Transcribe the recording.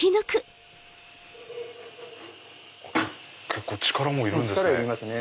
結構力もいるんですね。